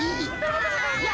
ih ih kita angkat